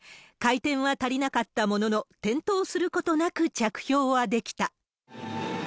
回転は足りなかったものの、転倒することなく着氷はできた。